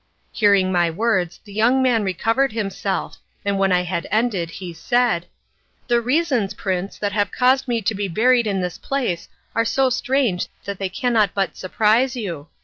Hearing my words, the young man recovered himself, and when I had ended, he said, "The reasons, Prince, that have caused me to be buried in this place are so strange that they cannot but surprise you.